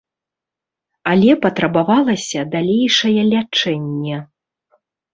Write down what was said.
Але патрабавалася далейшае лячэнне.